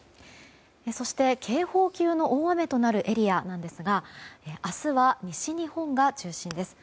そして、警報級の大雨となるエリアですが明日は西日本が中心です。